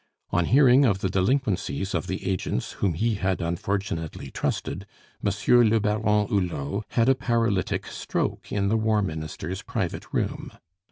On hearing of the delinquencies of the agents whom he had unfortunately trusted, Monsieur le Baron Hulot had a paralytic stroke in the War Minister's private room.